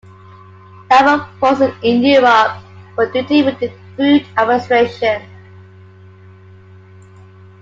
Naval Forces in Europe, for duty with the Food Administration.